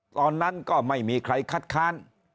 ตอนนั้นก็ไม่มีใครคัดค้าน